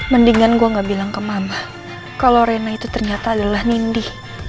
mendingan gue gak bilang ke mama kalau rena itu ternyata adalah nindi